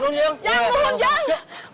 jangan buhun jangan